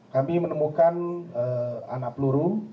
kami menemukan anak peluru